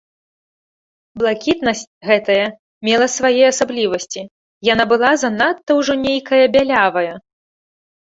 Блакітнасць гэтая мела свае асаблівасці, яна была занадта ўжо нейкая бялявая.